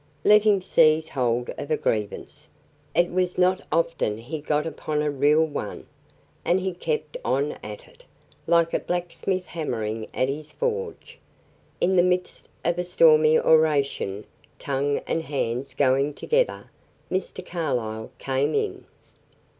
Let him seize hold of a grievance, it was not often he got upon a real one, and he kept on at it, like a blacksmith hammering at his forge. In the midst of a stormy oration, tongue and hands going together, Mr. Carlyle came in.